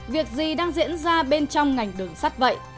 việc gì đang diễn ra bên trong ngành đường sắt vậy